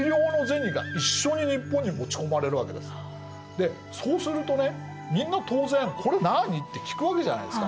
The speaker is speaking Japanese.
でそうするとねみんな当然「これ何？」って聞くわけじゃないですか。